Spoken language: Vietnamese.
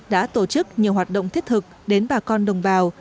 đã tổ chức nhiều hoạt động thiết thực đến bà con đồng bào